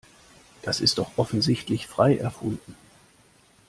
Das ist doch offensichtlich frei erfunden.